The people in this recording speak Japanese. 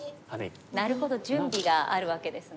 なるほど準備があるわけですね。